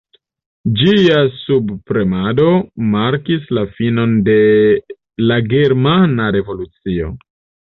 Ĝia subpremado markis la finon de la Germana Revolucio.